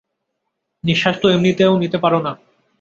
নিঃশ্বাস তো এমনিতেও নিতে পারো না।